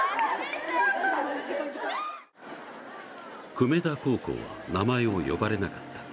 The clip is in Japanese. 久米田高校は名前を呼ばれなかった。